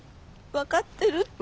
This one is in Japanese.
分かってるって。